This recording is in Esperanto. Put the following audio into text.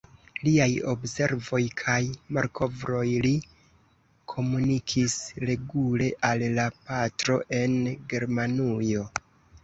Liaj observoj kaj malkovroj li komunikis regule al la patro en Germanujo.